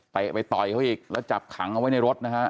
ไปต่อยเขาอีกแล้วจับขังเอาไว้ในรถนะฮะ